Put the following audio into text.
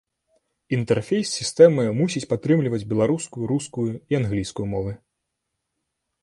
Інтэрфейс сістэмы мусіць падтрымліваць беларускую, рускую і англійскую мовы.